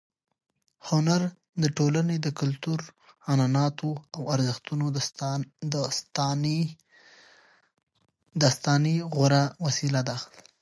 هنر د ټولنې د کلتور، عنعناتو او ارزښتونو د ساتنې غوره وسیله ده.